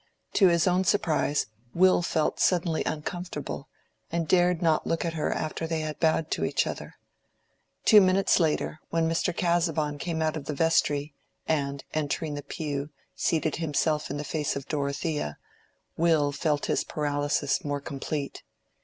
To his own surprise Will felt suddenly uncomfortable, and dared not look at her after they had bowed to each other. Two minutes later, when Mr. Casaubon came out of the vestry, and, entering the pew, seated himself in face of Dorothea, Will felt his paralysis more complete.